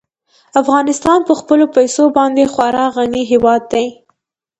افغانستان په خپلو پسونو باندې خورا غني هېواد دی.